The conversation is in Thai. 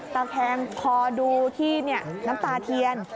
แต่แทนพอดูที่นี่น้ำตาเทียน